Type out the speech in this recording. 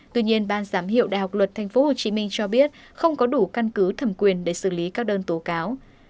tuy nhiên ban giám hiệu đại học luật tp hcm cho biết không có đủ căn cứ thẩm quyền để xử lý các đơn tố cáo